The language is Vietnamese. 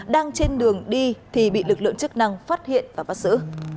đang trên đường đi thì bị lực lượng chức năng phát hiện và bắt giữ